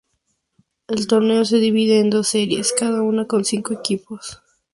El torneo se divide en dos series, cada una con cinco equipos.